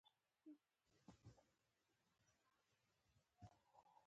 د اقتصاد وده د خلکو د عاید کچه لوړوي.